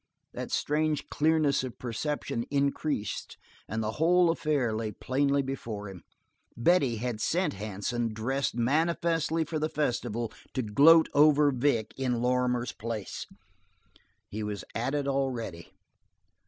That strange clearness of perception increased and the whole affair lay plainly before him. Betty had sent Hansen, dressed manifestly for the festival, to gloat over Vic in Lorrimer's place. He was at it already.